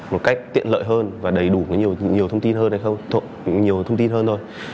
một cách tiện lợi hơn và đầy đủ nhiều thông tin hơn thôi